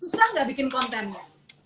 susah gak bikin kontennya